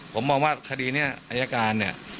ผมมองว่าคดีนี้อายการ